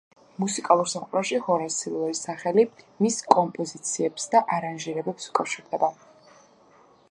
მუსიკალურ სამყაროში ჰორას სილვერის სახელი მის კომპოზიციებს და არანჟირებებს უკავშირდება.